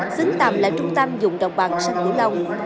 xứng tầm là trung tâm dùng đồng bằng sông cửu long